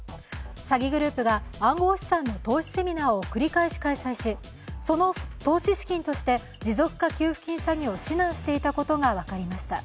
詐欺グループが暗号資産の投資セミナーを繰り返し開催し、その投資資金として持続化給付金詐欺を指南していたことが分かりました。